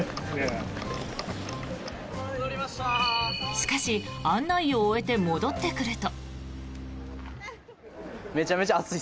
しかし、案内を終えて戻ってくると。